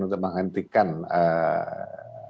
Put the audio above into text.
untuk menghentikan kompetisi ini